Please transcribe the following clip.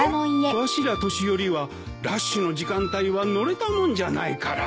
わしら年寄りはラッシュの時間帯は乗れたもんじゃないから。